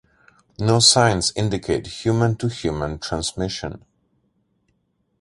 No signs indicate human-to-human transmission.